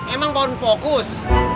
emang mau fokus